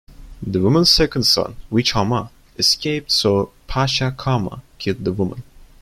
The woman's second son, Wichama, escaped, so Pacha Kamaq killed the woman.